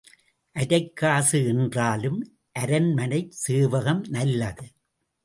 அரைக்காசு என்றாலும் அரண்மனைச் சேவகம் நல்லது.